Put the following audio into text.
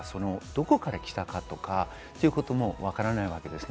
どこから来たかとかということもわからないわけです。